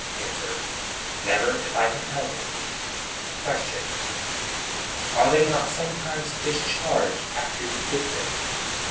A. Never, if I can help it. Q. Are they not sometimes discharged after you get them?